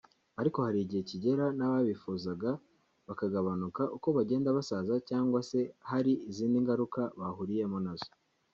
ariko hari igihe kigera n’ababifuzaga bakagabanuka uko bagenda basaza cyangwa se hari izindi ngaruka bahuriyemo na zo